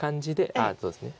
ああそうですね。